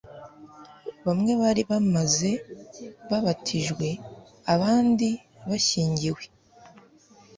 bamwe bari bamaze babatijwe, abandi bashyingiwe